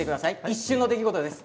一瞬の出来事です。